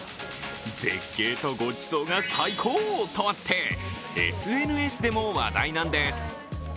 絶景とごちそうが最高とあってＳＮＳでも話題なんです。